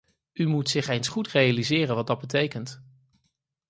U moet zich eens goed realiseren wat dat betekent.